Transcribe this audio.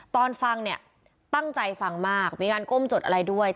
ตอนฟังเนี่ยตั้งใจฟังมากมีการก้มจดอะไรด้วย